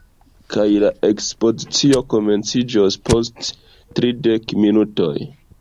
Kaj la ekspozicio komenciĝos post tridek minutoj